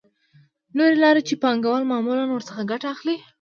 نورې لارې چې پانګوال معمولاً ورڅخه ګټه اخلي